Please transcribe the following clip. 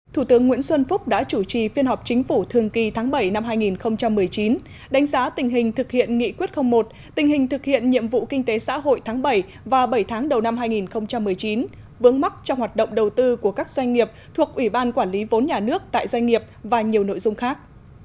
thủ tướng nguyễn xuân phúc đã chủ trì phiên họp chính phủ thường kỳ tháng bảy năm hai nghìn một mươi chín đánh giá tình hình thực hiện nghị quyết một tình hình thực hiện nhiệm vụ kinh tế xã hội tháng bảy và bảy tháng đầu năm hai nghìn một mươi chín vướng mắc trong hoạt động đầu tư của các doanh nghiệp thuộc ủy ban quản lý vốn nhà nước tại doanh nghiệp và nhiều nội dung khác